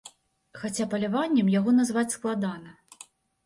Хаця паляваннем яго назваць складана.